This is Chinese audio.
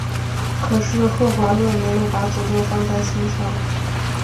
可是赫华勒没有把诅咒放在心上。